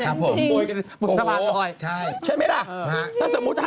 จริงโอ้โฮใช่ใช่ไหมล่ะถ้าสมมุติ๕๐๐